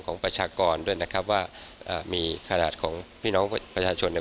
ของประชากรด้วยนะครับว่ามีขนาดของพี่น้องประชาชนใน